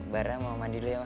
bar mau mandi dulu ya ma